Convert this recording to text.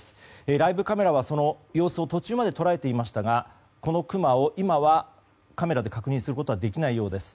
ライブカメラは、その様子を途中まで捉えていましたがこのクマを今はカメラで確認することはできないようです。